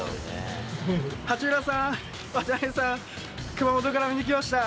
八村さーん、渡邊さーん、熊本から見に来ました。